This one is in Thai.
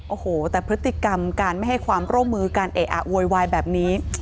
โอ้โหแต่พฤติกรรมการไม่ให้ความร่วมมือการเอะอะโวยวายแบบนี้